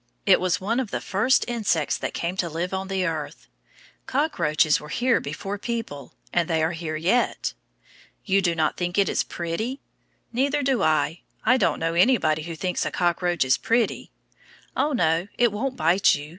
It was one of the first insects that came to live on the earth; cockroaches were here before people, and they are here yet. You do not think it is pretty? Neither do I. I don't know anybody who thinks a cockroach pretty. Oh, no, it won't bite you.